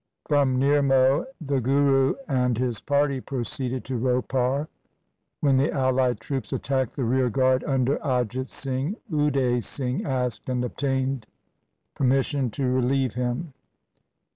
From Nirmoh the Guru and his party proceeded to Ropar. When the allied troops attacked the rear guard under Ajit Singh, Ude Singh asked and obtained permission to relieve him.